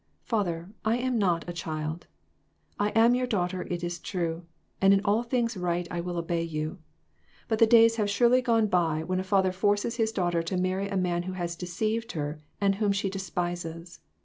Father, I am not a child. I am your daughter, it is true, and in all things right I will obey you. But the days have surely gone by when a father forces his daughter to marry a man who has deceived her, and whom she despises.